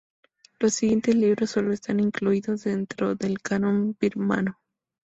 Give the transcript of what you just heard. Los siguientes libros sólo están incluidos dentro del Canon birmano.